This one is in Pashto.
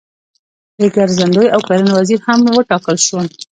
د ګرځندوی او کرنې وزیر هم وټاکل شول.